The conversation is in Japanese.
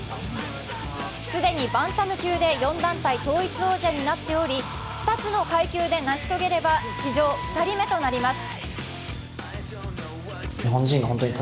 既にバンタム級で４団体統一王者になっており２つの階級で成し遂げれば、史上２人目となります。